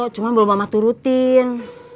cuma belum amatur rutin